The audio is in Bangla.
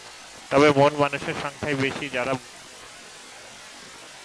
তবে মন মানুষের সংখ্যাই বেশি যারা বৌদ্ধ ধর্মালম্বী।